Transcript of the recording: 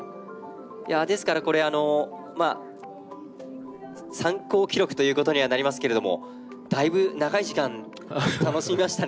ですからこれ参考記録ということにはなりますけれどもだいぶ長い時間楽しみましたね。